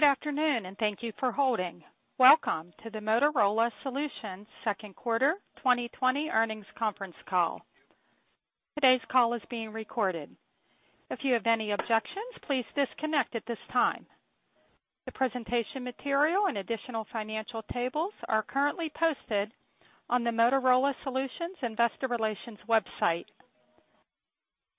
Good afternoon and thank you for holding. Welcome to the Motorola Solutions second quarter 2020 earnings conference call. Today's call is being recorded. If you have any objections, please disconnect at this time. The presentation material and additional financial tables are currently posted on the Motorola Solutions Investor Relations website.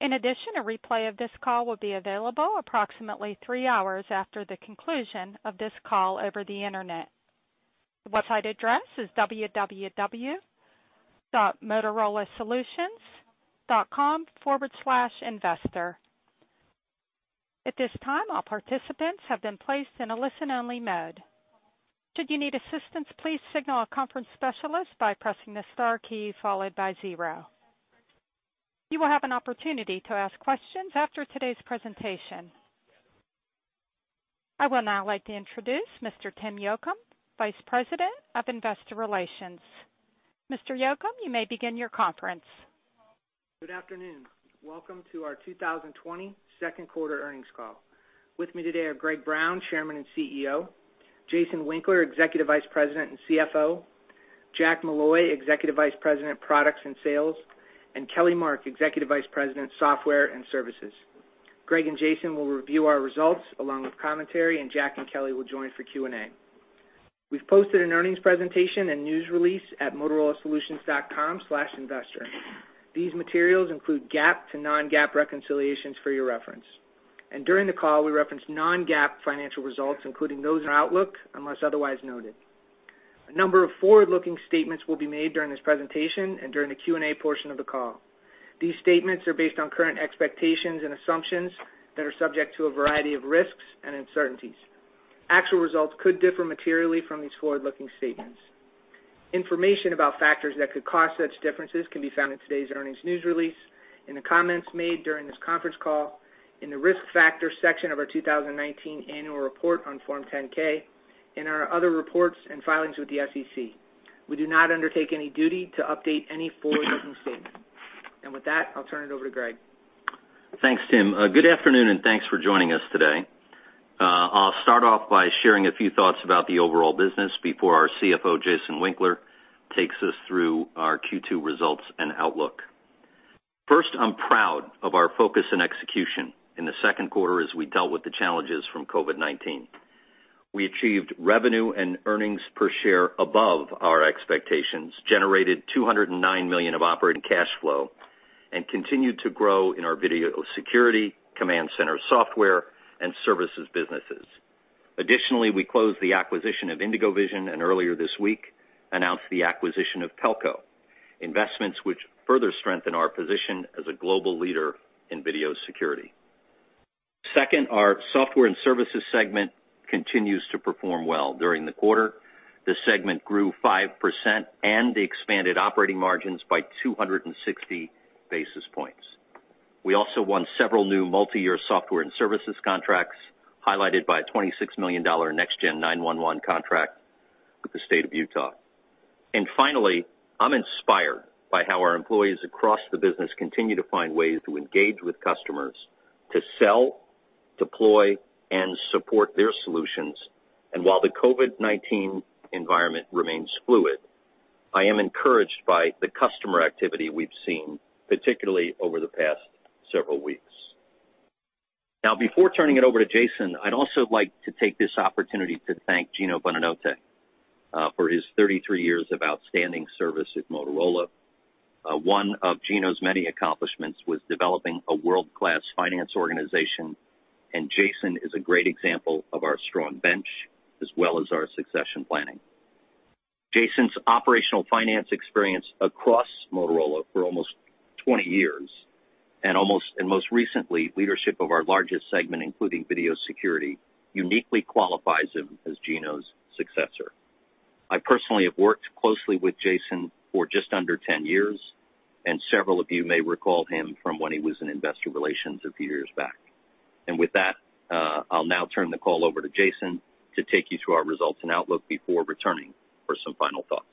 In addition, a replay of this call will be available approximately three hours after the conclusion of this call. Over the internet. The website address is www.motorolasolutions.com//investor. At this time, all participants have been placed in a listen only mode. Should you need assistance, please signal a conference specialist by pressing the star key followed by zero. You will have an opportunity to ask questions after today's presentation. I would now like to introduce Mr. Tim Yocum, Vice President of Investor Relations. Mr. Yocum, you may begin your conference. Good afternoon. Welcome to our 2020 second quarter earnings call. With me today are Greg Brown, Chairman and CEO, Jason Winkler, Executive Vice President and CFO, Jack Molloy, Executive Vice President, Products and Sales, and Kelly Mark, Executive Vice President, Software and Services. Greg and Jason will review our results along with commentary, and Jack and Kelly will join for QA. We've posted an earnings presentation and news release at motorolasolutions.com//investor. These materials include GAAP to non-GAAP reconciliations for your reference, and during the call, we reference non-GAAP financial results including those in our outlook. Unless otherwise noted, a number of forward-looking statements will be made during this presentation and during the Q&A portion of the call. These statements are based on current expectations and assumptions that are subject to a variety of risks and uncertainties. Actual results could differ materially from these forward looking statements. Information about factors that could cause such differences can be found in today's earnings news release, in the comments made during this conference call, in the Risk Factors section of our 2019 Annual Report on Form 10-K. In our other reports and filings with the SEC, we do not undertake any duty to update any forward looking statement and with that I'll turn it over to Greg. Thanks, Tim. Good afternoon and thanks for joining us today. I'll start off by sharing a few thoughts about the overall business before our CFO Jason Winkler takes us through our Q2 results and outlook. First, I'm proud of our focus and execution in the second quarter as we dealt with the challenges from COVID-19. We achieved revenue and earnings per share above our expectations, generated $209 million of operating cash flow and continued to grow in our Video Security, Command Centre software and services businesses. Additionally, we closed the acquisition of IndigoVision and earlier this week announced the acquisition of Pelco investments, which further strengthen our position as a global leader in Video Security. Second, our software and services segment continues to perform well. During the quarter, the segment grew 5% and expanded operating margins by 260 basis points. We also won several new multi-year software and services contracts, highlighted by a $26 million NextGen 911 contract with the state of Utah. Finally, I'm inspired by how our employees across the business continue to find ways to engage with customers to sell, deploy, and support their solutions. While the COVID-19 environment remains fluid, I am encouraged by the customer activity we've seen, particularly over the past several weeks. Now, before turning it over to Jason, I'd also like to take this opportunity to thank Gino Bonanotte for his 33 years of outstanding service at Motorola Solutions. One of Gino's many accomplishments was developing a world-class finance organization, and Jason is a great example of our strong bench as well as our succession planning. Jason's operational finance experience across Motorola for almost 20 years and most recently leadership of our largest segment including Video Security, uniquely qualifies him as Gino's successor. I personally have worked closely with Jason for just under 10 years and several of you may recall him from when he was in Investor Relations a few years back. With that, I'll now turn the call over to Jason to take you through our results and outlook before returning for some final thoughts.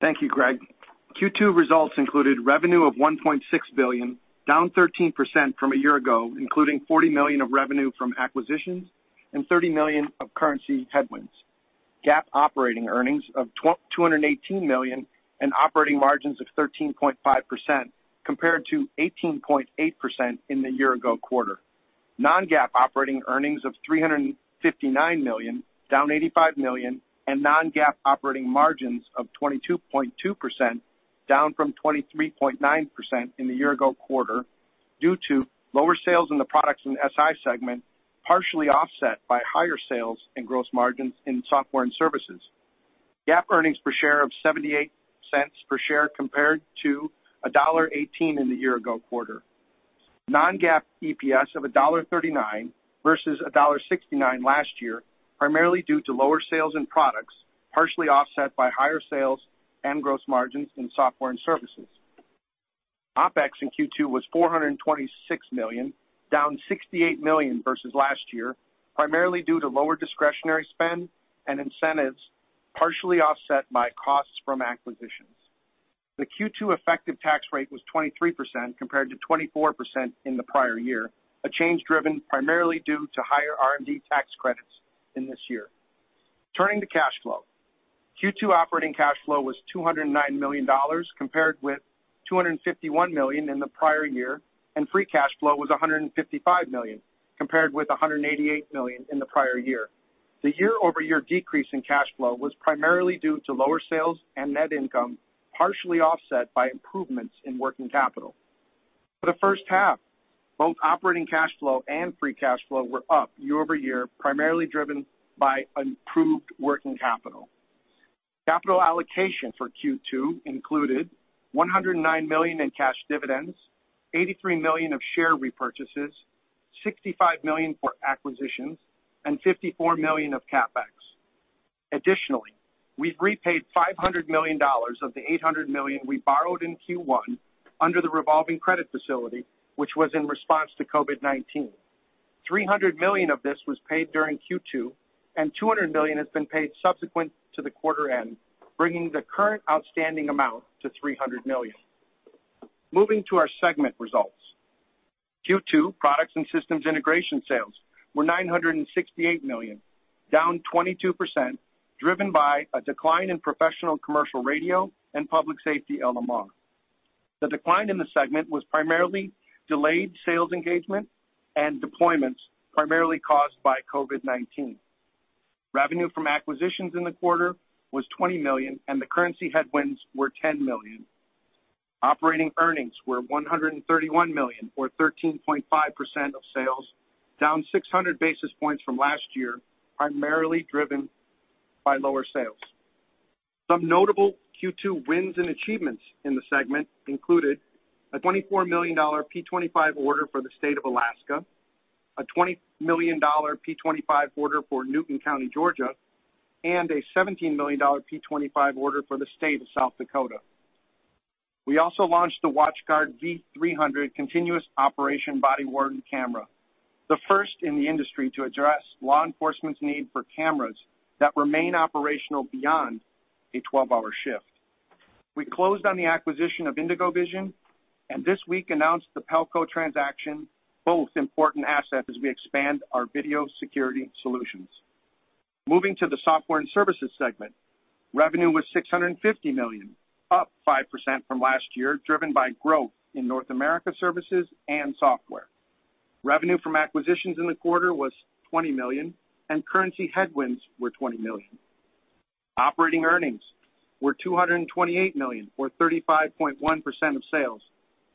Thank you, Greg. Q2 results included revenue of $1.6 billion, down 13% from a year ago, including $40 million of revenue from acquisitions and $30 million of currency headwinds. GAAP operating earnings of $218 million and operating margins of 13.5% compared to 18.8% in the year ago quarter. Non-GAAP operating earnings of $359 million, down $85 million, and non-GAAP operating margins of 22.2%, down from 23.9% in the year ago quarter due to lower sales in the products and SI segment, partially offset by higher sales and gross margins in software and services. GAAP earnings per share of $0.78 per share compared to $1.18 in the year ago quarter, non-GAAP EPS of $1.39 versus $1.69 last year, primarily due to lower sales in products, partially offset by higher sales and gross margins in software and services. OpEx in Q2 was $426 million, down $68 million versus last year, primarily due to lower discretionary spend and incentives, partially offset by costs from acquisitions. The Q2 effective tax rate was 23% compared to 24% in the prior year, a change driven primarily due to higher R&D tax credits in this year. Turning to cash flow, Q2 operating cash flow was $209 million compared with $251 million in the prior year, and free cash flow was $155 million compared with $188 million in the prior year. The year-over-year decrease in cash flow was primarily due to lower sales and net income, partially offset by improvements in working capital. For the first half, both operating cash flow and free cash flow were up year-over-year, primarily driven by improved working capital. Capital allocation for Q2 included $109 million in cash dividends, $83 million of share repurchases, $65 million for acquisitions, and $54 million of CapEx. Additionally, we've repaid $500 million of the $800 million we borrowed in Q1 under the revolving credit facility, which was in response to COVID-19. $300 million of this was paid during Q2 and $200 million has been paid subsequent to the quarter end, bringing the current outstanding amount to $300 million. Moving to our segment results, Q2 Products and Systems Integration sales were $968 million, down 22%, driven by a decline in professional, commercial radio, and public safety LMR. The decline in the segment was primarily delayed sales, engagement, and deployments, primarily caused by COVID-19. Revenue from acquisitions in the quarter was $20 million and the currency headwinds were $10 million. Operating earnings were $131 million, or 13.5% of sales, down 600 basis points from last year, primarily driven by lower sales. Some notable Q2 wins and achievements in the segment included a $24 million P25 order for the State of Alaska, a $20 million P25 order for Newton County, Georgia, and a $17 million P25 order for the State of South Dakota. We also launched the WatchGuard V300 continuous operation body-worn camera, the first in the industry to address law enforcement's need for cameras that remain operational beyond a 12 hour shift. We closed on the acquisition of IndigoVision and this week announced the Pelco transaction, both important assets as we expand our Video Security solutions. Moving to the software and services segment, revenue was $650 million, up 5% from last year driven by growth in North America. Services and software revenue from acquisitions in the quarter was $20 million and currency headwinds were $20 million. Operating earnings were $228 million, or 35.1% of sales,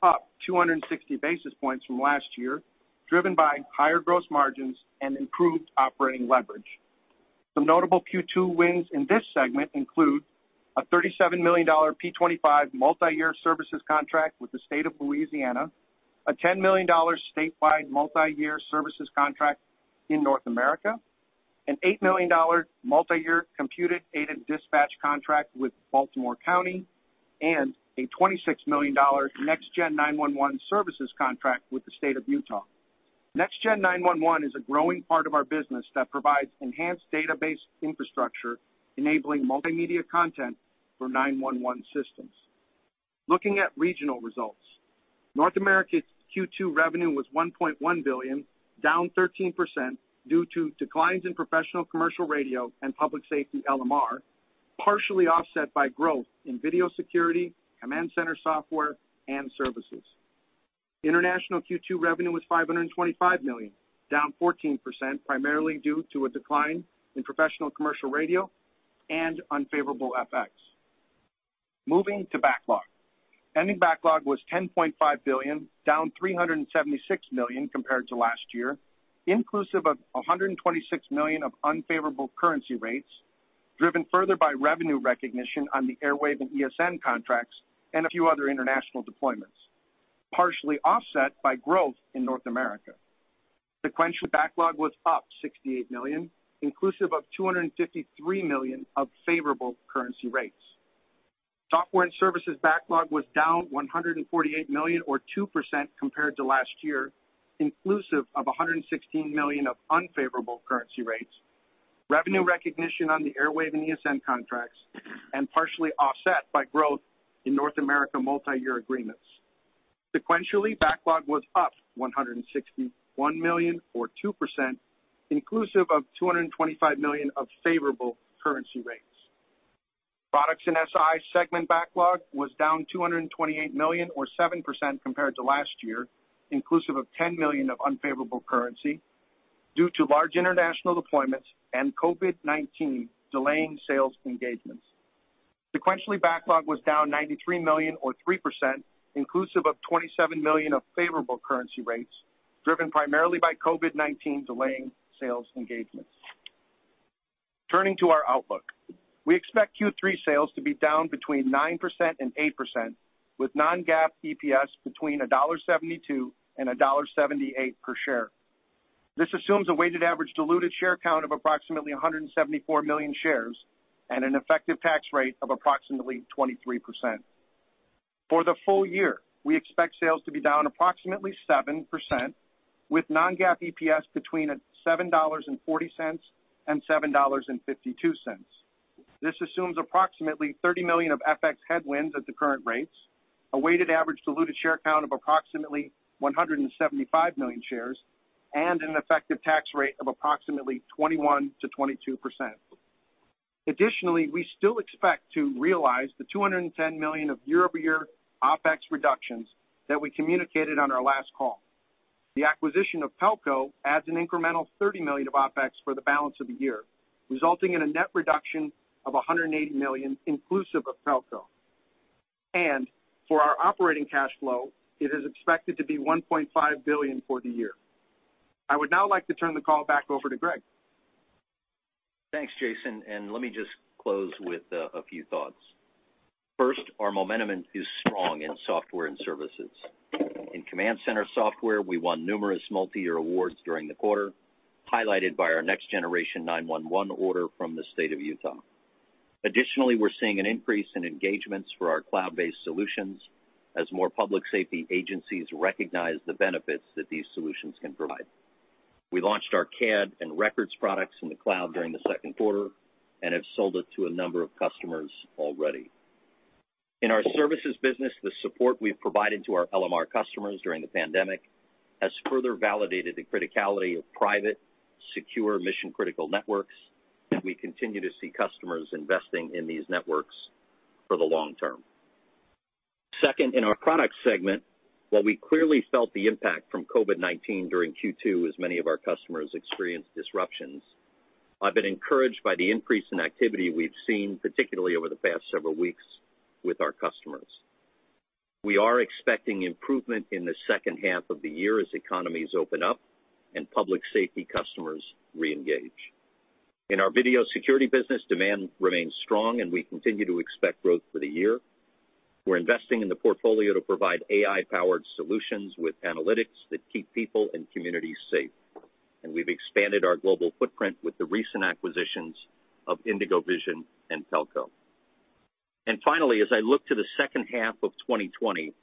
up 260 basis points from last year, driven by higher gross margins and improved operating leverage. Some notable Q2 wins in this segment include a $37 million P25 multi-year services contract with the State of Louisiana, a $10 million statewide multi-year services contract in North America, an $8 million multi-year computer-aided dispatch contract with Baltimore County, and a $26 million NextGen 911 services contract with the State of Utah. NextGen 911 is a growing part of our business that provides enhanced database infrastructure enabling multimedia content for 911 systems. Looking at regional results, North America Q2 revenue was $1.1 billion, down 13% due to declines in professional commercial radio and public safety LMR, partially offset by growth in Video Security, Command Center Software and services. International Q2 revenue was $525 million, down 14% primarily due to a decline in professional commercial radio and unfavorable FX. Moving to backlog, ending backlog was $10.5 billion, down $376 million compared to last year inclusive of $126 million of unfavorable currency rates, driven further by revenue recognition on the Airwave and ESN contracts and a few other international deployments, partially offset by growth in North America. Sequential backlog was up $68 million inclusive of $253 million of favorable currency rates. Software and services backlog was down $148 million or 2% compared to last year inclusive of $116 million of unfavorable currency rates. Revenue recognition on the Airwave and ESN contracts and partially offset by growth in North America multi-year agreements. Sequentially, backlog was up $161 million or 2% inclusive of $225 million of favorable currency rates. Products and SI Segment backlog was down $228 million or 7% compared to last year inclusive of $10 million of unfavorable currency due to large international deployments and COVID-19 delaying sales engagements. Sequentially, backlog was down $93 million or 3% inclusive of $27 million of favorable currency rates driven primarily by COVID-19 delaying sales engagements. Turning to our outlook, we expect Q3 sales to be down between 9% and 8% with non-GAAP EPS between $1.72 and $1.78 per share. This assumes a weighted average diluted share count of approximately 174 million shares and an effective tax rate of approximately 23% for the full year. We expect sales to be down approximately 7% with non-GAAP EPS between $7.40 and $7.52. This assumes approximately $30 million of FX headwinds at the current rates, a weighted average diluted share count of approximately 175 million shares and an effective tax rate of approximately 21-22%. Additionally, we still expect to realize the $210 million of year-over-year OpEx reductions that we communicated on our last call. The acquisition of Pelco adds an incremental $30 million of OpEx for the balance of the year, resulting in a net reduction of $180 million inclusive of Pelco and for our operating cash flow it is expected to be $1.5 billion for the year. I would now like to turn the call back over to Greg. Thanks Jason. Let me just close with a few thoughts. First, our momentum is strong in software and services. In Command Center Software we won numerous multi-year awards during the quarter, highlighted by our Next Generation 911 order from the State of Utah. Additionally, we're seeing an increase in engagements for our cloud-based solutions as more public safety agencies recognize the benefits that these solutions can provide. We launched our CAD and records products in the cloud during the second quarter and have sold it to a number of customers already. In our services business, the support we've provided to our LMR customers during the pandemic has further validated the criticality of private, secure, mission-critical networks, and we continue to see customers investing in these networks for the long term. Second, in our product segment, while we clearly felt the impact from COVID-19 during Q2 as many of our customers experienced disruptions, I've been encouraged by the increase in activity we've seen particularly over the past several weeks with our customers. We are expecting improvement in the second half of the year as economies open up and public safety customers reengage. In our Video Security business, demand remains strong and we continue to expect growth for the year. We're investing in the portfolio to provide AI-powered solutions with analytics that keep people and communities safe and we've expanded our global footprint with the recent acquisitions of IndigoVision and Pelco. Finally, as I look to the second half of 2020,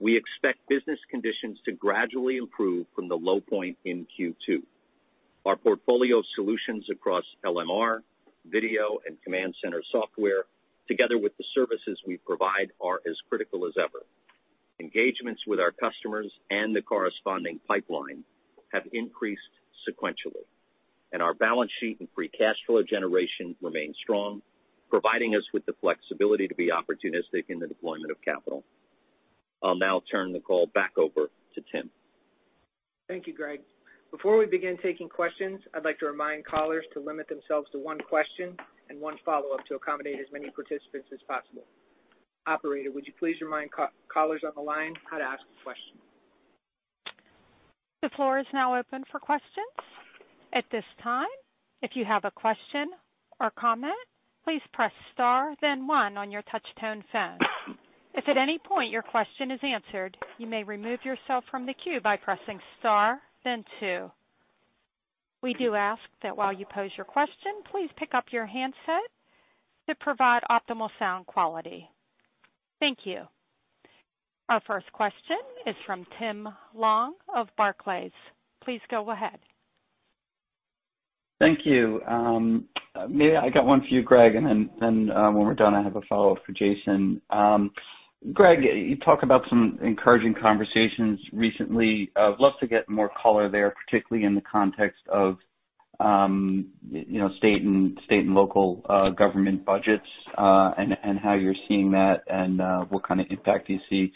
we expect business conditions to gradually improve from the low point in Q2. Our portfolio of solutions across LMR, Video, and Command Center Software together with the services we provide are as critical as ever. Engagements with our customers and the corresponding pipeline have increased sequentially, and our balance sheet and free cash flow generation remain strong, providing us with the flexibility to be opportunistic in the deployment of capital. I'll now turn the call back over to Tim. Thank you, Greg. Before we begin taking questions, I'd like to remind callers to limit themselves to one question and one follow-up to accommodate as many participants as possible. Operator, would you please remind callers on the line how to ask a question? The floor is now open for questions at this time. If you have a question or comment, please press star then one on your touchtone phone. If at any point your question is answered, you may remove yourself from the queue by pressing star then two. We do ask that while you pose your question, please pick up your handset to provide optimal sound quality. Thank you. Our first question is from Tim Long of Barclays. Please go ahead. Thank you. I got one for you, Greg. Then when we're done, I have a follow up for Jason. Greg, you talk about some encouraging conversations recently. I'd love to get more color there, particularly in the context of state and local government budgets and how you're seeing that and what kind of impact you see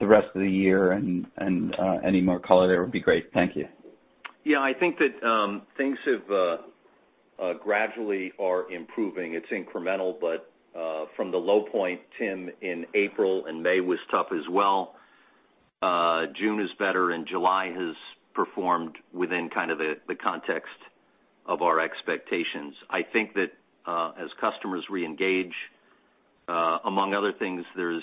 the rest of the year. Any more color there would be great. Thank you. Yeah, I think that things gradually are improving. It's incremental. From the low point, Tim, in April and May was tough as well. June is better and July has performed within the context of our expectations. I think that as customers reengage, among other things, there's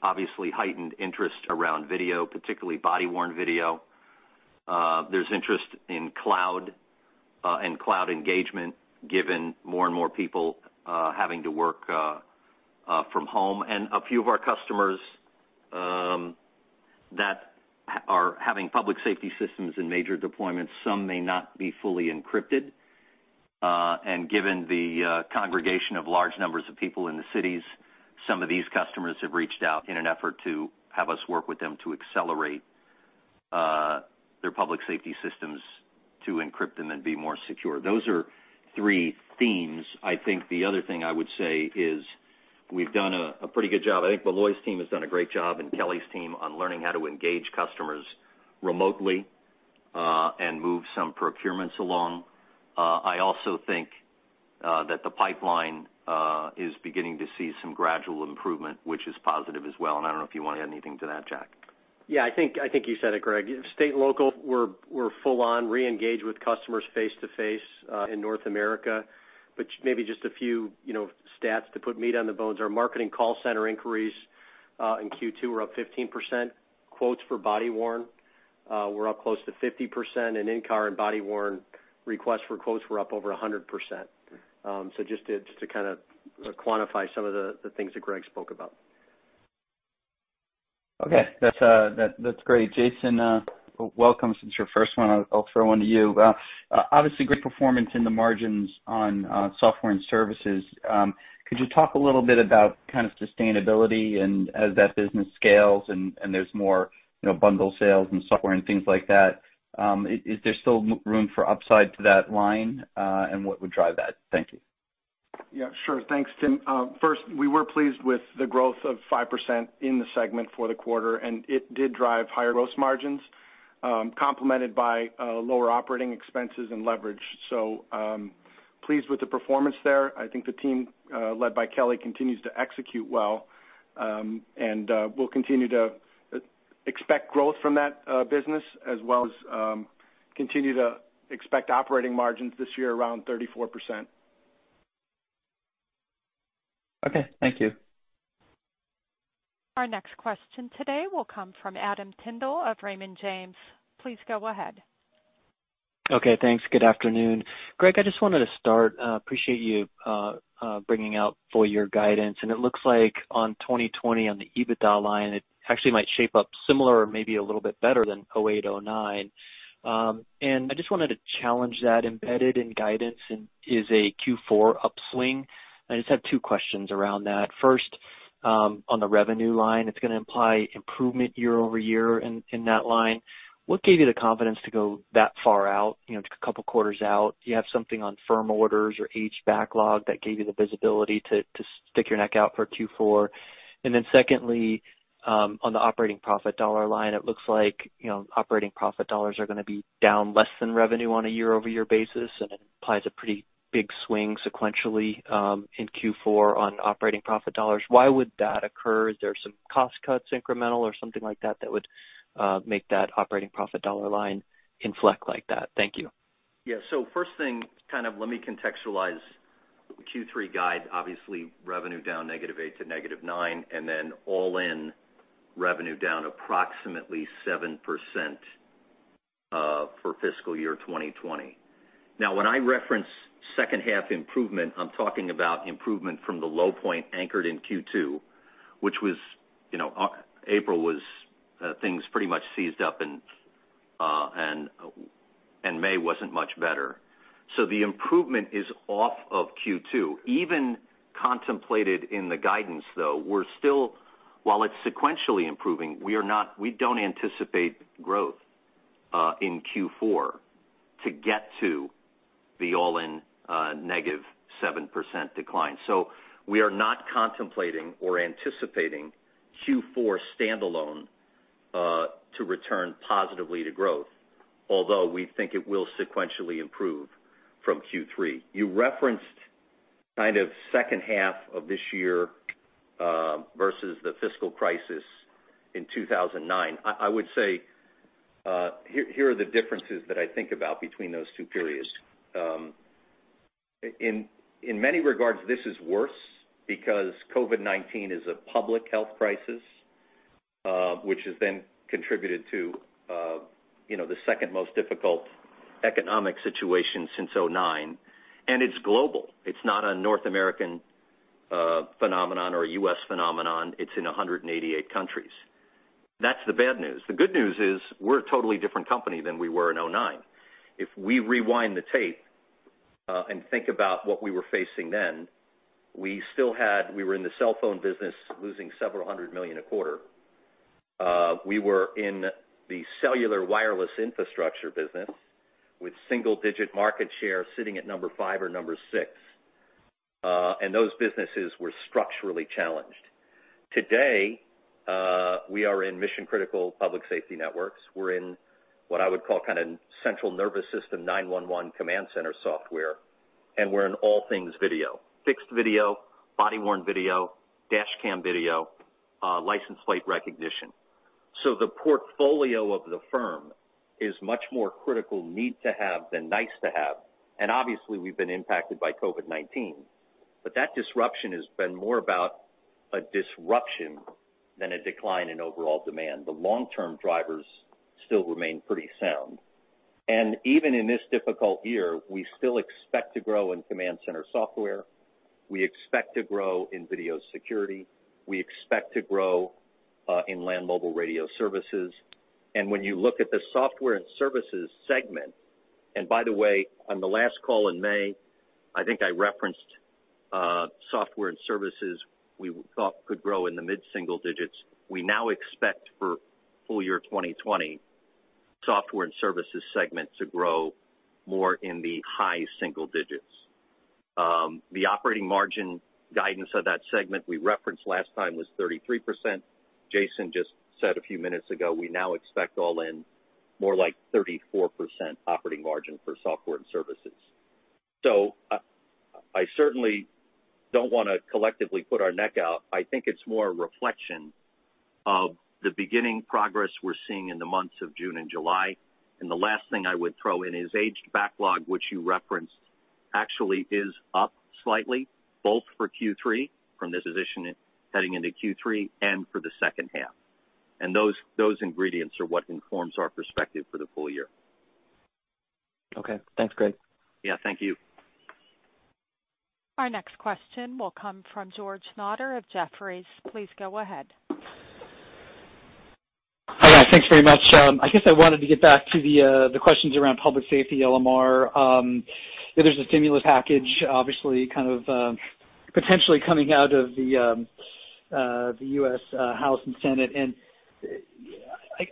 obviously heightened interest around Video, particularly body-worn video. There's interest in Cloud and cloud engagement, given more and more people having to work from home. A few of our customers that are having public safety systems in major deployments, some may not be fully encrypted. Given the congregation of large numbers of people in the cities, some of these customers have reached out in an effort to have us work with them to accelerate their public safety systems to encrypt them and be more secure. Those are three themes, I think. The other thing I would say is we've done a pretty good job. I think Molloy's team has done a great job and Kelly's team on learning how to engage customers remotely and move some procurements along. I also think that the pipeline is beginning to see some gradual improvement, which is positive as well. I don't know if you want to add anything to that, Jack. Yeah, I think you said it, Greg. State and local, we're full on re-engage with customers face to face in North America. Maybe just a few stats to put meat on the bones. Our marketing call center inquiries in Q2 were up 15%. Quotes for body worn were up close to 50%. In car and body worn, requests for quotes were up over 100%. Just to kind of quantify some. Of the things that Greg spoke about. Okay, that's great. Jason, welcome. Since your first one, I'll throw one to you. Obviously great performance in the margins on software and services. Could you talk a little bit about kind of sustainability and as that business scales and there is more bundle sales and software and things like that, is there still room for upside to that line and what would drive that? Thank you. Yeah, sure. Thanks, Tim. First, we were pleased with the growth of 5% in the segment for the quarter and it did drive higher gross margins, complemented by lower operating expenses and leverage. Pleased with the performance there. I think the team led by Kelly continues to execute well and we will continue to expect growth from that business as well as continue to expect operating margins this year around 34%. Okay, thank you. Our next question today will come from Adam Tindle of Raymond James. Please go ahead. Okay, thanks. Good afternoon Greg. I just wanted to start, appreciate you bringing out full year guidance and it looks like on 2020 on the EBITDA line it actually might shape up similar or maybe a little bit better than 2008-2009. I just wanted to challenge that embedded in guidance and is a Q4 upswing. I just have two questions around that. First on the revenue and it's going to imply improvement year-over-year in that line. What gave you the confidence to go that far out? A couple quarters out you have something on firm orders or aged backlog that gave you the visibility to stick your neck out for Q4. Then secondly on the operating profit dollar line, it looks like operating profit dollars are going to be down less than revenue on a year-over-year basis. It implies a pretty big swing sequentially in Q4 on operating profit dollars. Why would that occur? Is there some cost cuts incremental or something like that that would make that operating profit dollar line inflect like that? Thank you. Yeah. First thing, let me contextualize Q3 guide. Obviously, revenue down negative 8% to negative 9% and then all in revenue down approximately 7% for fiscal year 2020. Now, when I reference second half improvement, I am talking about improvement from the low point anchored in Q2, which was, you know, April was things pretty much seized up and May was not much better. The improvement is off of Q2 even contemplated in the guidance, though we are still, while it is sequentially improving, we are not. We do not anticipate growth in Q4 to get to the all in negative 7% decline. We are not contemplating or anticipating Q4 standalone to return positively to growth, although we think it will sequentially improve from Q3. You referenced kind of second half of this year versus the fiscal crisis in 2009. I would say here are the differences that I think about between those two periods. In many regards this is worse because COVID-19 is a public health crisis which has then contributed to, you know, the second most difficult economic situation since 2009. And it is global. It is not a North American phenomenon or a U.S. phenomenon. It is in 188 countries. That is the bad news. The good news is we are a totally different company than we were in 2009. If we rewind the tape and think about what we were facing then, we still had. We were in the cell phone business losing several hundred million a quarter. We were in the cellular wireless infrastructure business with single digit market share sitting at number five or number six. Those businesses were structurally challenged. Today we are in mission critical public safety networks. We are in what I would call kind of Central Nervous System 911 Command Center Software. We are in all things video, fixed video, body worn video, dashcam video, license plate recognition. The portfolio of the firm is much more critical need to have than nice to have. Obviously we have been impacted by COVID-19, but that disruption has been more about a disruption than a decline in overall demand. The long term drivers still remain pretty sound. Even in this difficult year we still expect to grow in Command Center Software, we expect to grow in Video Security, we expect to grow in Land Mobile Radio services. When you look at the software and services segment, and by the way on the last call in May, I think I referenced software and services we thought could grow in the mid single digits. We now expect for full year 2020 software and services segment to grow more in the high single digits. The operating margin guidance of that segment we referenced last time was 33%. Jason just said a few minutes ago we now expect all in more like 34% operating margin for software and services. I certainly do not want to collectively put our neck out. I think it is more a reflection of the beginning progress we are seeing in the months of June and July. The last thing I would throw in is aged backlog which you referenced actually is up slightly both for Q3 from this position heading into Q3 and for the second half. Those ingredients are what informs our perspective for the full year. Okay, thanks, Greg. Yeah, thank you. Our next question will come from George Notter of Jefferies. Please go ahead. Hi. Thanks very much. I guess I wanted to get back to the questions around public safety. LMR. There's a stimulus package obviously kind of. Potentially coming out of the U.S. House and Senate.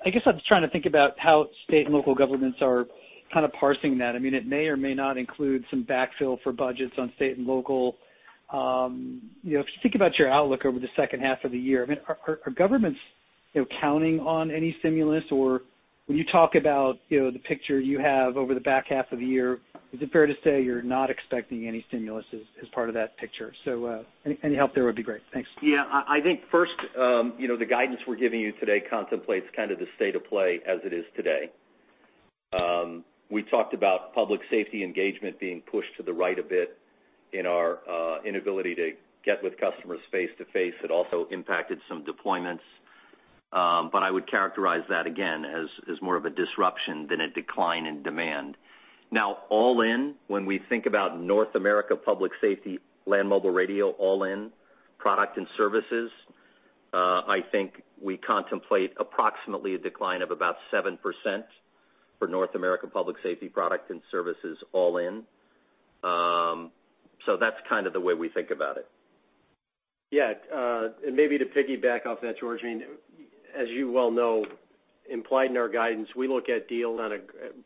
I guess I'm trying to think about how state and local governments are kind of parsing that. I mean it may or may not. Include some backfill for budgets on state and local. If you think about your outlook over. The second half of the year are. Governments counting on any stimulus or when? You talk about the picture you have. Over the back half of the year. Is it fair to say you're not? Expecting any stimulus as part of that picture? Any help there would be great. Thanks. Yeah. I think first, you know, the guidance we're giving you today contemplates kind of the state of play as it is today. We talked about public safety engagement being pushed to the right a bit in our inability to get with customers face to face. It also impacted some deployments. I would characterize that again as more of a disruption than a decline in demand. Now, all in. When we think about North America public safety, Land Mobile Radio, all in product and services, I think we contemplate approximately a decline of about 7% for North America public safety, product and services. All in. So that's kind of the way we think about it. Yeah. Maybe to piggyback off that, George, as you well know, implied in our guidance, we look at deal on a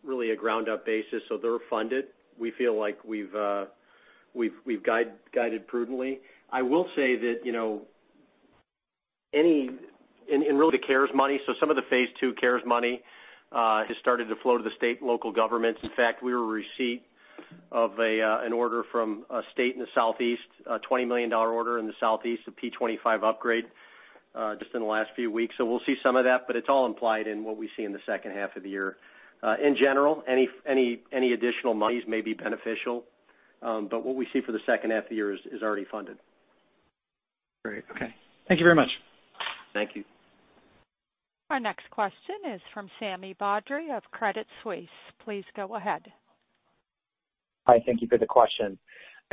really a ground up basis. They are funded. We feel like we've guided prudently. I will say that, you know, any in really the CARES money, so some of the phase II CARES money has started to flow to the state and local governments. In fact, we were receipt of an order from a state in the southeast, a $20 million order in the southeast, a P25 upgrade just in the last few weeks. We will see some of that. It is all implied in what we see in the second half of the year. In general, any additional monies may be beneficial, but what we see for the second half of the year is already funded. Great. Okay, thank you very much. Thank you. Our next question is from Sami Badri of Credit Suisse. Please go ahead. Hi, thank you for the question.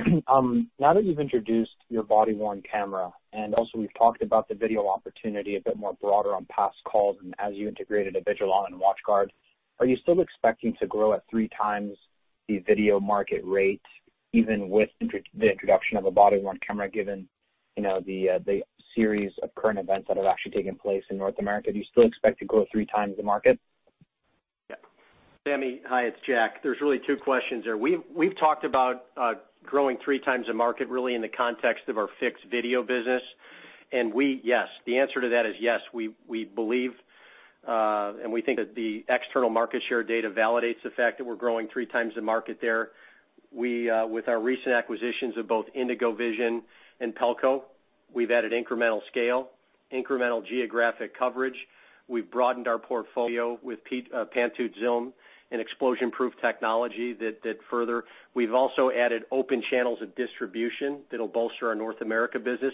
Now that you've introduced your body-worn camera and also we've talked about the video opportunity a bit more broader on past calls and as you integrated Avigilon and WatchGuard, are you still expecting to grow at three times the video market rate even with the introduction of a body-worn camera? Given the series of current events that have actually taken place in North America, do you still expect to grow three times the market? Sami, hi, it's Jack. There's really two questions there. We've talked about growing three times the market really in the context of our fixed video business and yes, the answer to that is yes. We believe and we think that the external market share data validates the fact that we're growing three times the market there. With our recent acquisitions of both IndigoVision and Pelco, we've added incremental scale, incremental geographic coverage. We've broadened our portfolio with pan-tilt-zoom and explosion proof technology that further, we've also added open channels of distribution that'll bolster our North America business.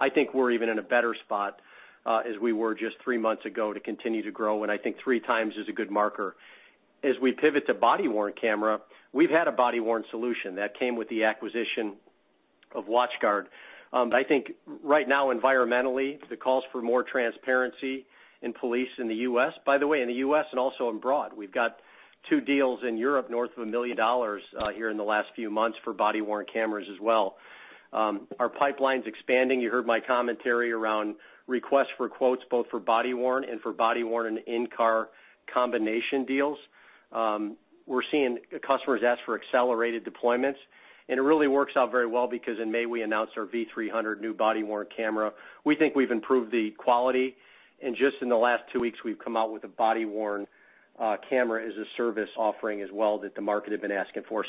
I think we're even in a better spot as we were just three months ago to continue to grow. I think three times is a good marker as we pivot to body-worn camera. We've had a body-worn solution that came with the acquisition of WatchGuard. I think right now environmentally the calls for more transparency in police in the U.S., by the way, in the U.S. and also abroad we've got two deals in Europe, north of $1 million here in the last few months for body worn cameras as well. Our pipeline is expanding. You heard my commentary around requests for quotes both for body worn and for body worn and in car combination deals. We're seeing customers ask for accelerated deployments and it really works out very well because in May we announced our V300 new body worn camera. We think we've improved the quality and just in the last two weeks we've come out with a body worn camera as a service offering as well that the market had been asking for.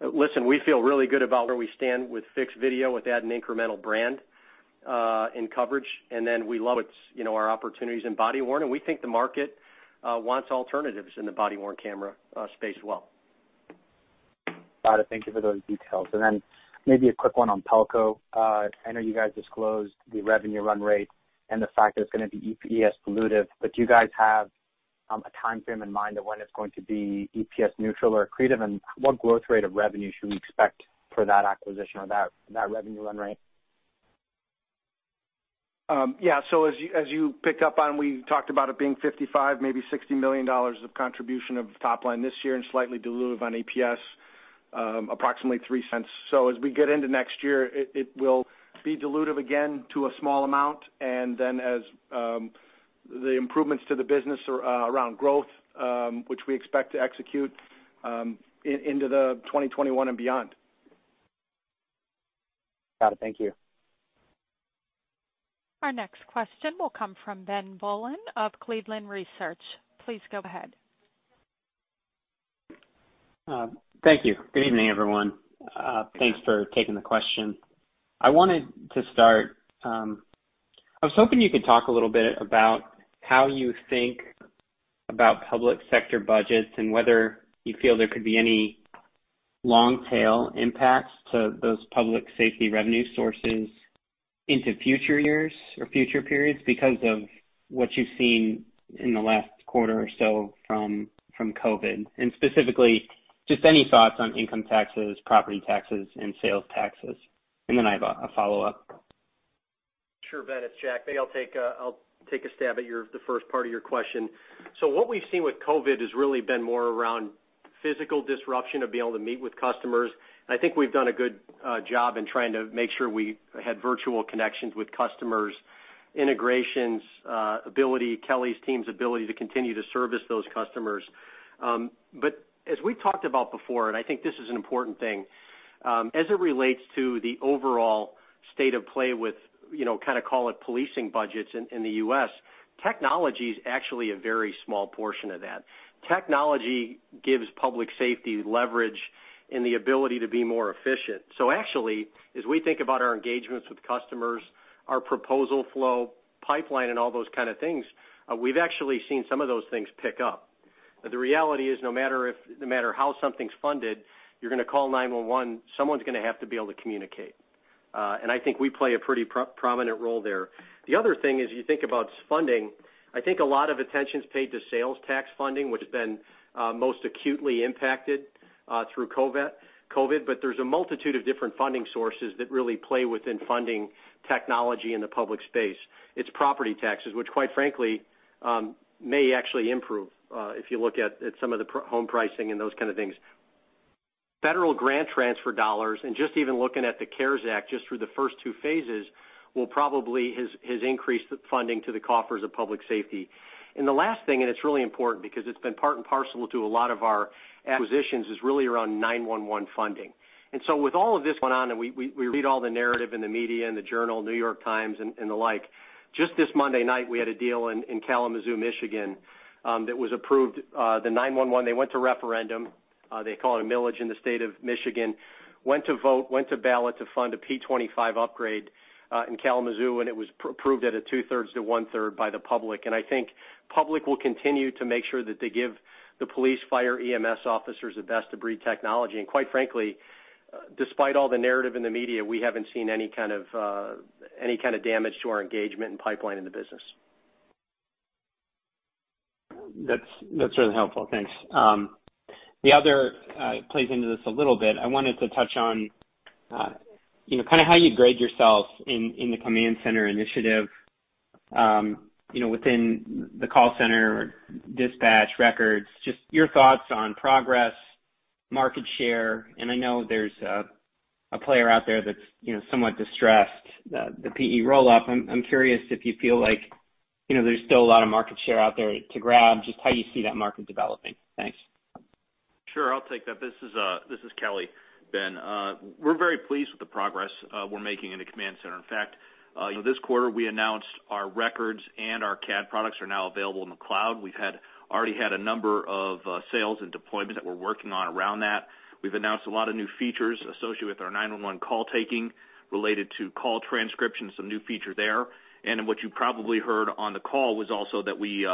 Listen, we feel really good about where we stand with fixed video with adding incremental brand and coverage, and then we love our opportunities in body worn, and we think the market wants alternatives in the body worn camera space. Well. Thank you for those details and then maybe a quick one on Pelco. I know you guys disclosed the revenue. Run rate and the fact that it's going to be EPS accretive, but do you. Guys have a timeframe in mind of when it's going to be EPS neutral or accretive? What growth rate of revenue should we expect for that acquisition or that revenue run rate? Yeah, as you picked up on, we talked about it being $55 million, maybe $60 million of contribution of top line this year and slightly dilutive on EPS, approximately $0.03. As we get into next year. It will be dilutive again to EPS. Small amount and then as the improvements to the business around growth which we expect to execute into 2021 and beyond. Got it. Thank you. Our next question will come from Ben Bollin of Cleveland Research. Please go ahead. Thank you. Good evening everyone. Thanks for taking the question. I wanted to start. I was hoping you could talk a. Little bit about how you think about. Public sector budgets and whether you feel there could be any long tail impacts to those public safety revenue sources into future years or future periods because of what you've seen in the last quarter or so from COVID and specifically just any thoughts on income taxes, property taxes and sales taxes and then I have a follow up. Sure. Ben, it's Jack. Maybe I'll take a stab at the first part of your question. What we've seen with COVID has really been more around physical disruption of being able to meet with customers. I think we've done a good job in trying to make sure we had virtual connections with customers, integrations, ability, Kelly's team's ability to continue to service those customers. As we talked about before, and I think this is an important thing as it relates to the overall state of play with kind of call it policing budgets in the U.S. Technology is actually a very small portion of that. Technology gives public safety leverage and the ability to be more efficient. Actually, as we think about our engagements with customers, our proposal flow pipeline and all those kind of things, we've actually seen some of those things pick up. The reality is no matter how something's funded, you're going to call 911, someone's going to have to be able to communicate and I think we play a pretty prominent role there. The other thing is you think about funding. I think a lot of attention is paid to sales tax funding which has been most acutely impacted through COVID. There is a multitude of different funding sources that really play within funding technology in the public space. It's property taxes, which quite frankly may actually improve. If you look at some of the home pricing and those kind of things, federal grant transfer dollars and just even looking at the CARES Act just through the first two phases, will probably has increased funding to the coffers of public safety. The last thing, and it's really important because it's been part and parcel to a lot of our acquisitions, is really around 911 funding. With all of this going on and we read all the narrative in the media and the Journal, New York Times and the like. Just this Monday night we had a deal in Kalamazoo, Michigan that was approved, the 911, they went to referendum, they call it a millage in the state of Michigan. Went to vote, went to ballot to fund a P25 upgrade in Kalamazoo and it was approved at a two thirds to one third by the public and I think public will continue to make sure that they give the police, fire, EMS officers the best to breed technology. Quite frankly, despite all the narrative in the media, we haven't seen any kind of damage to our engagement and pipeline in the business. That's really helpful. Thanks. The other plays into this a little bit. I wanted to touch on kind of how you grade yourself in the Command Center initiative within the call center dispatch records. Just your thoughts on progress, market share, and I know there's a player out there that's somewhat distressed, the PE roll up. I'm curious if you feel like there's still a lot of market share out there to grab, just how you see that market developing. Sure, I'll take that. This is Kelly. Ben, we're very pleased with the progress we're making in the command center. In fact, this quarter we announced our records and our CAD products are now available in the cloud. We've already had a number of sales and deployments that we're working on around that. We've announced a lot of new features associated with our 911 call taking related to call transcription, some new features there, and what you probably heard on the call was also that we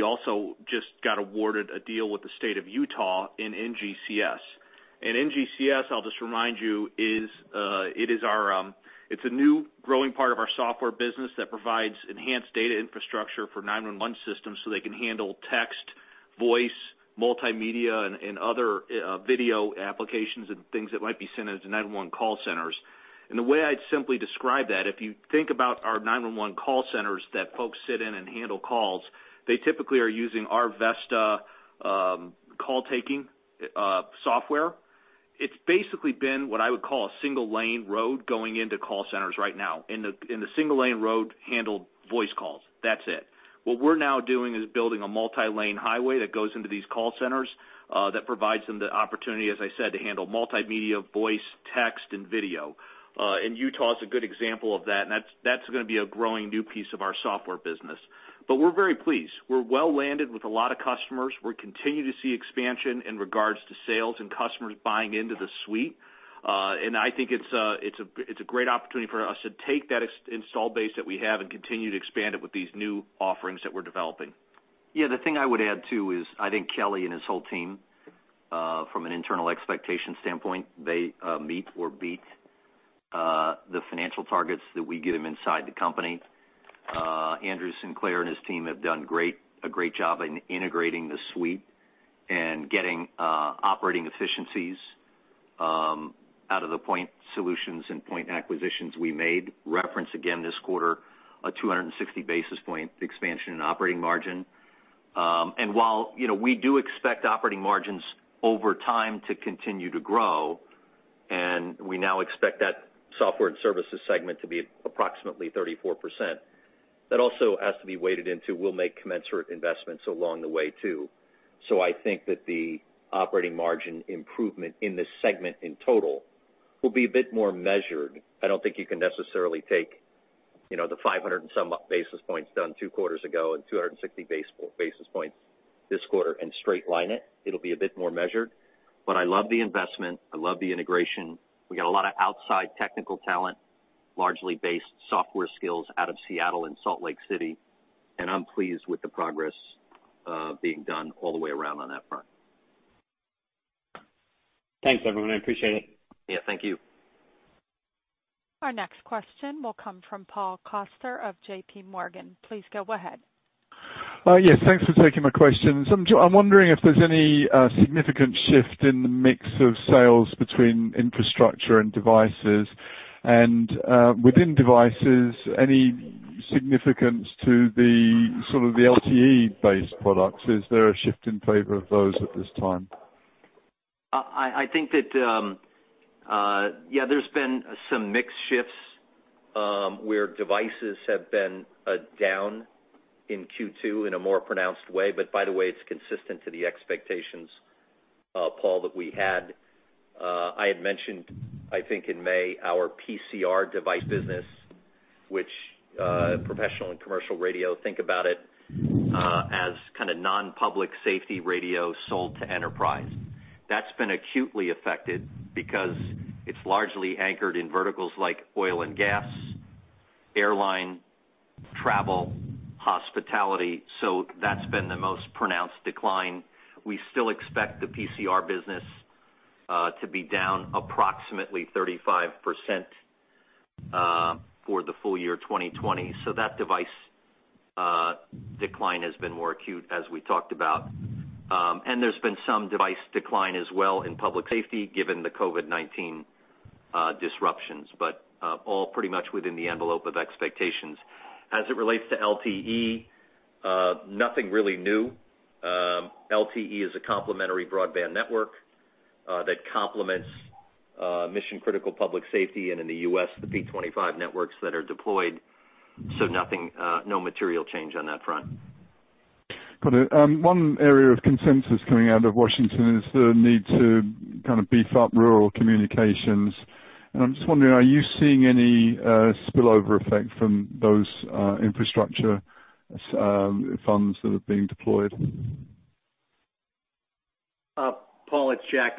also just got awarded a deal with the state of Utah in NGCS and NGCS. I'll just remind you. It's a new. Growing part of our software business that provides enhanced data infrastructure for 911 systems so they can handle text, voice, multimedia and other video applications and things that might be sent in as 911 call centers. The way I'd simply describe that, if you think about our 911 call centers that folks sit in and handle calls, they typically are using our Vesta call taking software. It's basically been what I would call a single lane road going into call centers. Right now the single lane road handled voice calls. That's it. What we're now doing is building a multi lane highway that goes into these call centers that provides them the opportunity, as I said, to handle multimedia, voice, text and video. Utah is a good example of that. That's going to be a growing new piece of our software business. We're very pleased. We're well landed with a lot of customers. We continue to see expansion in regards to sales and customers buying into the suite. I think it's a great opportunity for us to take that install base that we have and continue to expand it with these new offerings that we're doing developing. Yeah, the thing I would add too is I think Kelly and his whole team, from an internal expectation standpoint, they meet or beat the financial targets that we give them inside the company. Andrew Sinclair and his team have done a great job in integrating the suite and getting operating efficiencies out of the point solutions and point acquisitions. We made reference again this quarter a 260 basis point expansion in operating margin. While we do expect operating margins over time to continue to grow and we now expect that software and services segment to be approximately 34%, that also has to be weighted into. We'll make commensurate investments along the way too. I think that the operating margin improvement in this segment in total will be a bit more measured. I do not think you can necessarily take, you know, the 500 and some basis points done two quarters ago and 260 basis points this quarter and straight line it. It will be a bit more measured. I love the investment, I love the integration. We got a lot of outside technical talent, largely based software skills out of Seattle and Salt Lake City and I am pleased with the progress being done all the way around on that front. Thanks everyone. I appreciate it. Yeah, thank you. Our next question will come from Paul Coster of J.P. Morgan. Please go ahead. Yes, thanks for taking my questions. I'm wondering if there's any significant shift in the mix of sales between infrastructure and devices and within devices any significance to the sort of the LTE based products? Is there a shift to in favor of those at this time? I think that yeah, there's been some mixed shifts where devices have been down in Q2 in a more pronounced way. By the way, it's consistent to the expectations, Paul, that we had. I had mentioned, I think in May, our PCR device business, which is Professional and Commercial Radio, think about it as kind of non-public safety radio sold to enterprise, that's been acutely affected because it's largely anchored in verticals like oil and gas, airline travel, hospitality. That's been the most pronounced decline. We still expect the PCR business to be down approximately 35% for the full year 2020. That device decline has been more acute as we talked about. There's been some device decline as well in public safety given the COVID-19 disruptions, but all pretty much within the envelope of expectations as it relates to LTE. Nothing really new. LTE is a complementary broadband network that complements mission critical public safety and in the U.S. the P25 networks that are deployed. Nothing, no material change on that front. Got it. One area of consensus coming out of Washington is the need to kind of beef up rural communications. I'm just wondering, are you seeing any spillover effect from those infrastructure funds that are being deployed? Paul, it's Jack.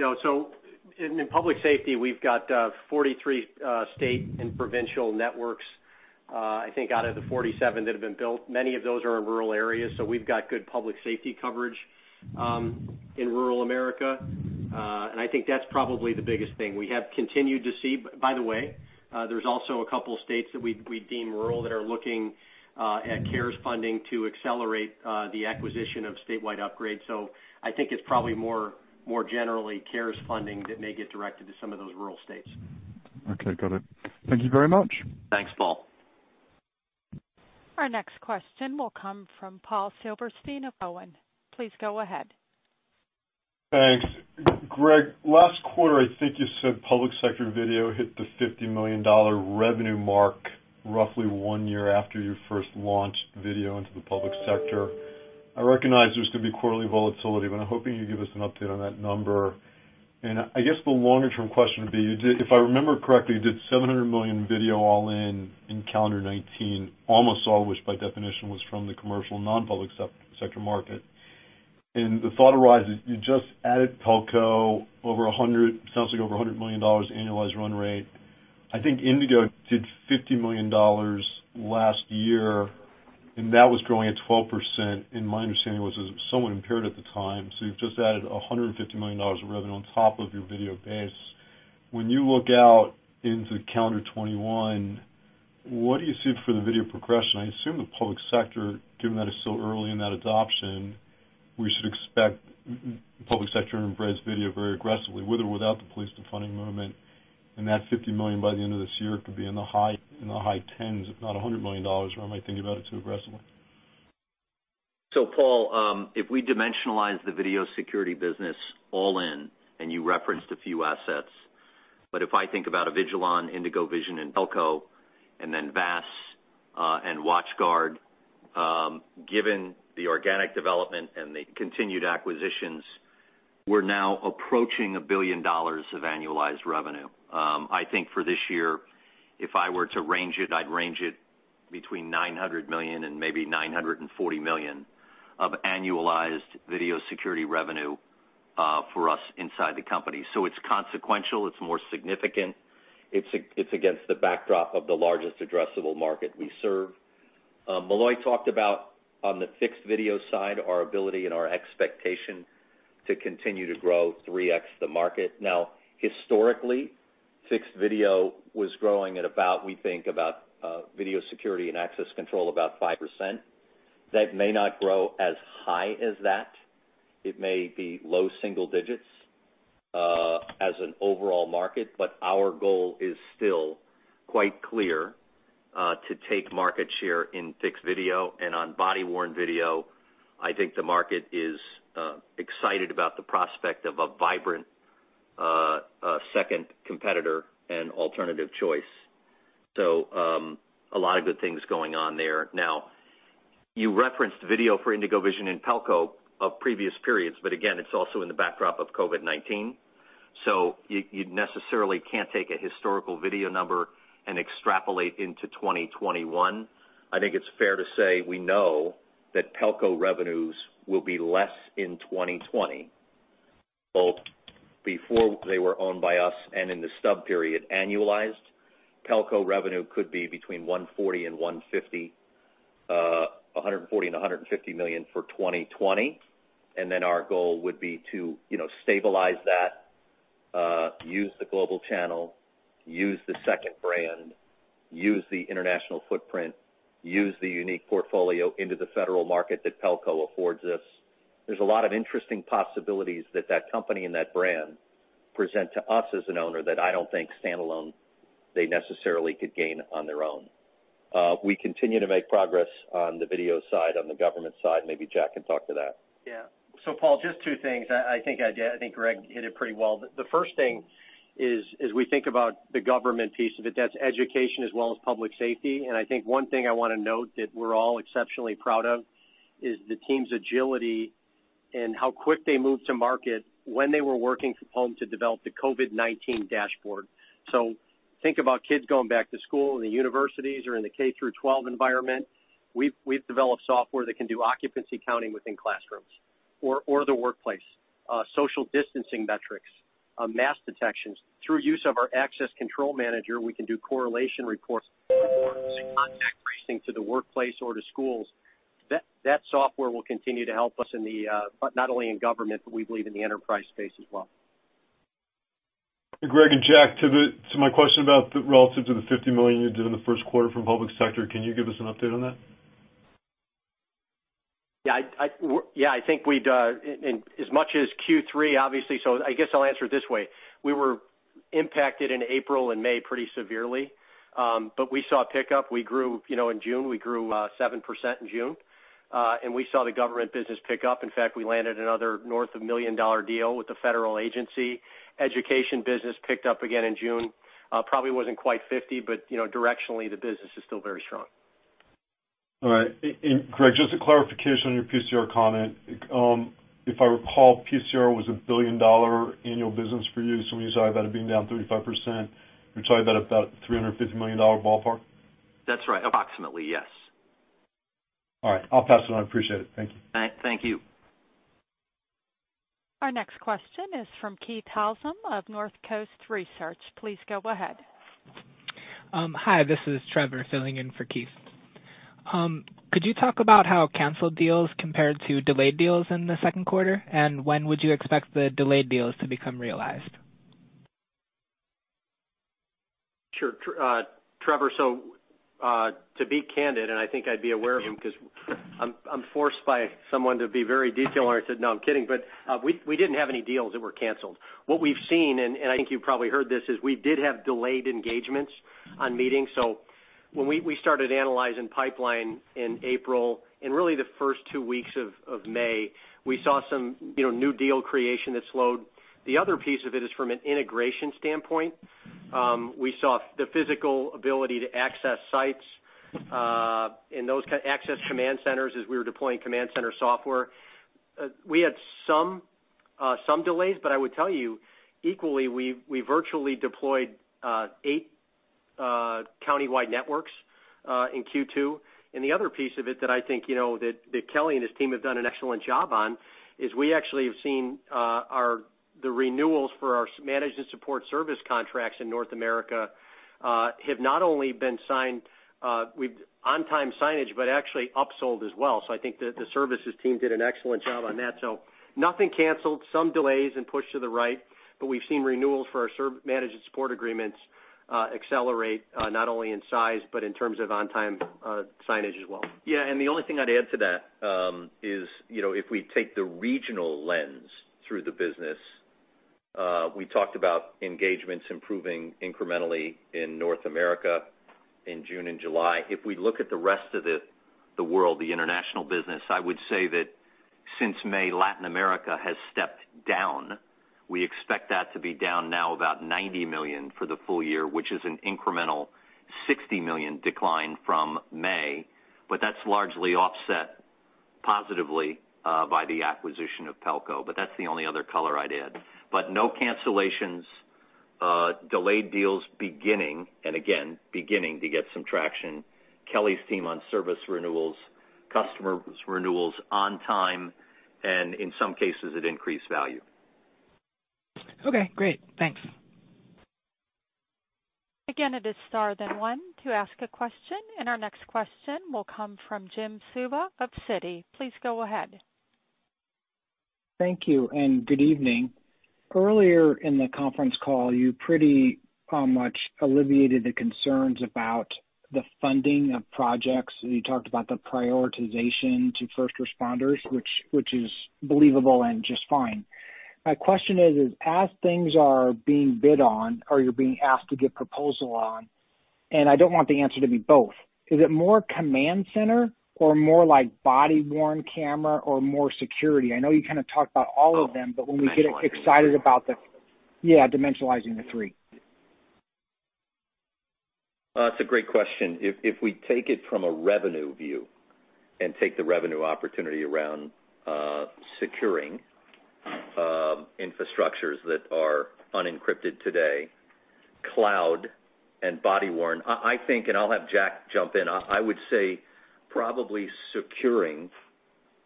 In public safety we've got 43 state and provincial networks. I think out of the 47 that have been built, many of those are in rural areas. We've got good public safety coverage in rural America. I think that's probably the biggest thing we have continued to see. By the way, there's also a couple states that we deem rural that are looking at CARES funding to accelerate the acquisition of statewide upgrade. I think it's probably more generally CARES funding that may get directed to some of those rural states. Okay, got it. Thank you very much. Thanks, Paul. Our next question will come from Paul Silverstein of Cowen. Please go ahead. Thanks, Greg. Last quarter, I think you said public sector video hit the $50 million revenue mark roughly one year after you first launched video into the public sector. I recognize there's going to be quarterly volatility, but I'm hoping you'd give us an update on that number. I guess the longer term question would be, if I remember correctly, you did $700 million video all in in calendar 2019, almost all, which by definition was from the commercial non public sector market. The thought arises you just added Pelco. Over $100 million annualized run rate. I think Indigo did $50 million last year and that was growing at 12% and my understanding was somewhat impaired at the time. You've just added $150 million of revenue on top of your video base. When you look out into calendar 2021, what do you see for the video progression? I assume the public sector, given that it's so early in that adoption, we should expect public sector embraced video very aggressively with or without the police defunding movement. That $50 million by the end of this year could be in the high tens, if not $100 million. Dollars, or am I thinking about it too aggressively? If we dimensionalize the Video Security business all in, and you referenced a few assets, but if I think about Avigilon, IndigoVision and Pelco and then VAS and WatchGuard, given the organic development and the continued acquisitions, we're now approaching a billion dollars of annualized revenue. I think for this year, if I were to range it, I'd range it between $900 million and maybe $940 million of annualized Video Security revenue for us inside the company. It's consequential, it's more significant. It's against the backdrop of the largest addressable market we serve. Molloy talked about on the fixed video side, our ability and our expectation to continue to grow 3x the market. Now, historically, fixed video was growing at about, we think about Video Security and access control about 5%. That may not grow as high as that. It may be low single digits as an overall market, but our goal is still quite clear to take market share in fixed video and on body worn video. I think the market is excited about the prospect of a vibrant second competitor and alternative choice. A lot of good things going on there. You referenced video for IndigoVision and Pelco of previous periods. Again, it is also in the backdrop of COVID-19. You necessarily cannot take a historical video number and extrapolate into 2021. I think it is fair to say we know that Pelco revenues will be less in 2020, both before they were owned by us and in the stub period. Annualized Pelco revenue could be between $140 million and $150 million, $140 million and $150 million for 2020. Our goal would be to stabilize that, use the global channel, use the second brand, use the international footprint, use the unique portfolio into the federal market that Pelco affords us. There are a lot of interesting possibilities that that company and that brand present to us as an owner that I do not think standalone they necessarily could gain on their own. We continue to make progress on the video side, on the government side. Maybe Jack can talk to that. Yeah. Paul, just two things. I think Greg hit it pretty well. The first thing is, as we think about the government piece of it, that's education as well as public safety. I think one thing I want to note that we're all exceptionally proud of is the team's agility and how quick they move to market when they were working from home to develop the COVID-19 dashboard. Think about kids going back to school. The universities are in the K through 12 environment. We've developed software that can do occupancy. Counting within classrooms or the workplace, social distancing metrics, mass detections. Through use of our access control manager, we can do correlation reports, contact tracing to the workplace or to schools. That software will continue to help us not only in government, but we believe. In the enterprise space as well. Greg and Jack, to my question about relative to the $50 million you did in the first quarter from public sector, can you give us an update on that? Yeah, I think we'd as much as Q3, obviously. I guess I'll answer it this way. We were impacted in April and May pretty severely, but we saw a pickup. We grew, you know, in June, we grew 7% in June and we saw the government business pick up. In fact, we landed another north of $1 million deal with the federal agency. Education business picked up again in June, probably wasn't quite $50 million, but you know, directionally the business is still very strong. All right. Greg, just a clarification on your PCR comment. If I recall, PCR was a billion dollar annual business for you. When you talk about it being down 35%, you're talking about $350 million ballpark. That's right. Approximately, yes. All right, I'll pass it on. I appreciate it. Thank you. Thank you. Our next question is from Keith Housum of Northcoast Research. Please go ahead. Hi, this is Trevor filling in for Keith. Could you talk about how canceled deals compared to delayed deals in the second quarter and when would you expect the delayed deals to become realized? Sure, Trevor. To be candid, and I think I'd be aware of him because I'm forced by someone to be very detail oriented. No, I'm kidding. We didn't have any deals that were canceled. What we've seen, and I think you've probably heard this, is we did have delayed engagements on meetings. When we started analyzing Pipeline in April, and really the first two weeks of May, we saw some new deal creation that slowed. The other piece of it is from an integration standpoint, we saw the physical ability to access sites in those access command centers. As we were deploying Command Center Software, we had some delays. I would tell you equally, we virtually deployed eight countywide networks in Q2. The other piece of it that I think you know that Kelly and his team have done an excellent job on is we actually have seen our, the renewals for our managed and support service contracts in North America have not only been signed with on time signage but actually upsold as well. I think the services team did an excellent job on that. Nothing canceled, some delays and pushed to the right. We have seen renewals for our managed support agreements accelerate not only in size but in terms of on time signage as well. Yeah, and the only thing I'd add to that is, you know, if we take the regional lens through the business, we talked about engagements improving incrementally in North America in June and July. If we look at the rest of the world, the international business, I would say that since May, Latin America has stepped down. We expect that to be down now about $90 million for the full year which is an incremental $60 million decline from May. That is largely offset positively by the acquisition of Pelco. That is the only other color I did. No cancellations, delayed deals beginning and again beginning to get some traction. Kelly's team on service renewals, customer renewals on time and in some cases at increased value. Okay, great. Thanks. Again, it is star then one to ask a question, and our next question will come from Jim Suva of Citi. Please go ahead. Thank you and good evening. Earlier in the conference call you pretty much alleviated the concerns about the funding of projects. You talked about the prioritization to first responders which is believable and just fine. My question is as things are being. Bid on or you're being asked to get proposal on and I don't want the answer to be both. Is it more command center or more like body worn camera or more security? I know you kind of talked about all of them but when we get excited about the, yeah, dimensionalizing the three. That's a great question. If we take it from a revenue view and take the revenue opportunity around securing infrastructures that are unencrypted today, cloud and body worn, I think, and I'll have Jack jump in, I would say probably securing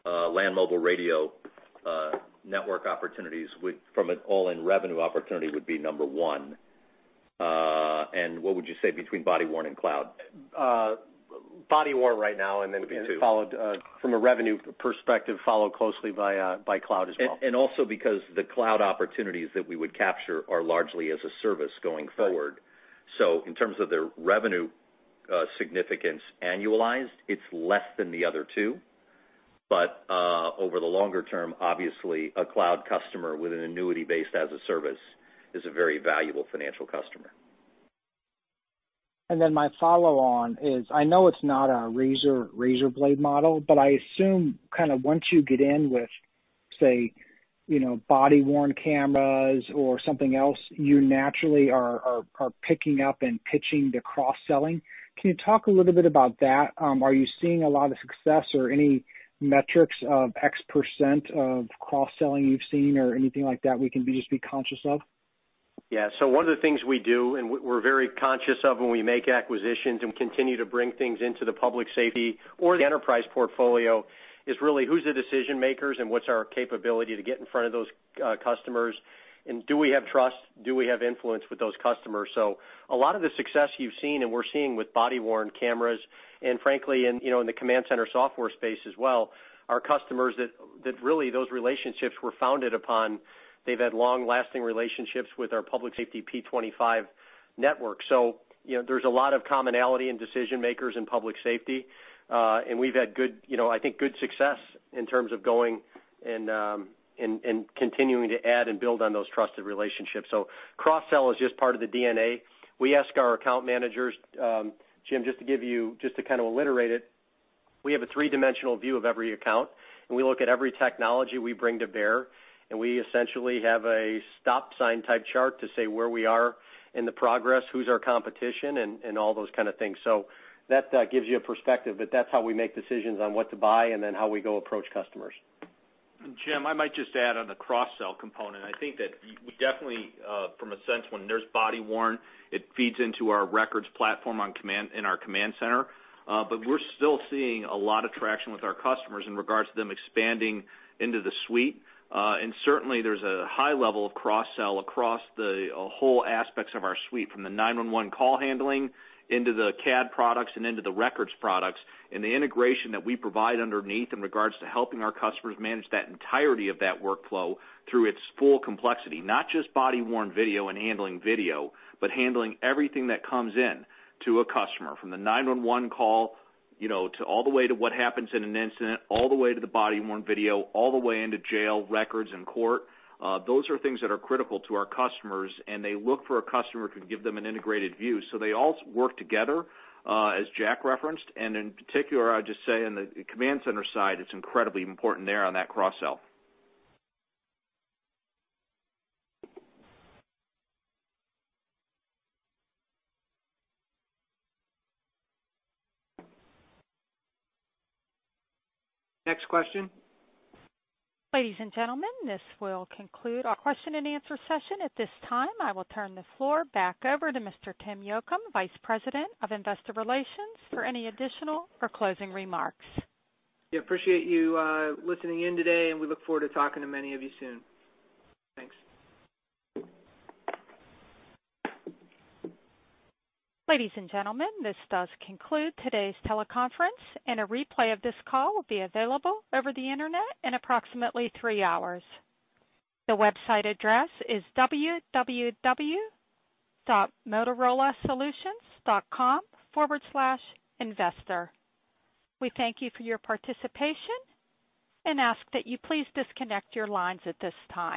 Land Mobile Radio network opportunities from an all-in revenue opportunity would be number one. What would you say between body worn and cloud- Body worn right now. From a revenue perspective, followed closely by cloud as well. Also because the cloud opportunities that we would capture are largely as a service going forward. In terms of their revenue significance annualized, it is less than the other two. Over the longer term, obviously a cloud customer with an annuity-based as a service is a very valuable financial customer. My follow on is I know it's not a razor blade model but I assume kind of once you get in with say, you know, body worn cameras or something else, you naturally are picking up and pitching to cross selling. Can you talk a little bit about that? Are you seeing a lot of success or any metrics of x% of cross selling you've seen or anything like that? We can just be conscious of. Yeah. One of the things we do and we're very conscious of when we make acquisitions and continue to bring things into the public safety or the enterprise portfolio is really who's the decision makers and what's our capability to get in front of those customers and do we have trust, do we have influence with those customers? A lot of the success you've seen and we're seeing with body worn cameras and frankly in the Command Center Software space as well, our customers that really those relationships were founded upon, they've had long lasting relationships with our public safety P25 network. You know, there's a lot of commonality in decision makers in public safety and we've had good, I think good success in terms of going and continuing to add and build on those trusted relationships. Cross sell is just part of the D&A. We ask our account managers, Jim, just to give you, just to kind of alliterate it. We have a three-dimensional view of every account and we look at every technology we bring to bear and we essentially have a stop sign type chart to say where we are in the progress, who's our competition and all those kind of things. That gives you a perspective that that's how we make decisions on what to buy and then how we go approach customers. Jim, I might just add on the cross sell component, I think that we definitely from a sense when there's body worn it feeds into our records platform in our command center. We are still seeing a lot of traction with our customers in regards to them expanding, expanding into the suite. There is a high level of cross sell across the whole aspects of our suite from the 911 call handling into the CAD products and into the records products and the integration that we provide underneath in regards to helping our customers manage that entirety of that workflow through its full complexity. Not just body worn video and handling video, but handling everything that comes in to a customer from the 911 call, you know, to all the way to what happens in an incident, all the way to the body worn video, all the way into jail records and court. Those are things that are critical to our customers and they look for a customer to give them an integrated view. They all work together as Jack referenced. In particular, I'd just say on the command center side, it's incredibly important there on that cross sell. Next question. Ladies and gentlemen, this will conclude our question and answer session. At this time, I will turn the floor back over to Mr. Tim Yocum, Vice President of Investor Relations, for any additional or closing remarks. Appreciate you listening in today, and we look forward to talking to many of you soon. Thanks. Ladies and gentlemen, this does conclude today's teleconference, and a replay of this call will be available over the Internet in approximately three hours. The website address is www.motorolasolutions.com investor. We thank you for your participation and ask that you please disconnect your lines at this time.